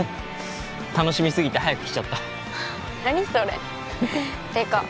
楽しみすぎて早く来ちゃった何それていうか